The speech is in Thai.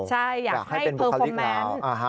ใช่อยากให้เป็นบุคลิกเรา